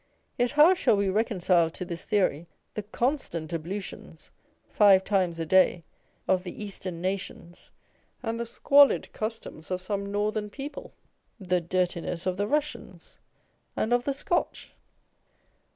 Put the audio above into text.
Yet how shall we reconcile to this theory the constant ablutions (five times a day) of the Eastern nations, and the squalid customs of some Northern people, the dirtiness of the Eussians and of the Scotch